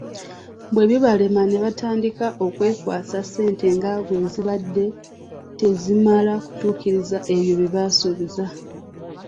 Bwe bibalema ne batandika okwekwasa ssente nga bwezibadde tezimala kutuukiriza ebyo byebaasuubiza.